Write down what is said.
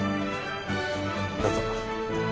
どうぞ